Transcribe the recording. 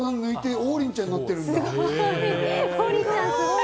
王林ちゃん、すごいな。